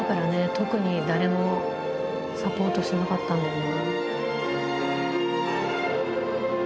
特に誰もサポートしなかったんだろうな。